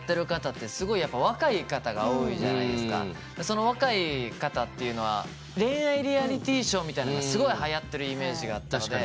その若い方っていうのは恋愛リアリティショーみたいなのがすごいはやってるイメージがあったので。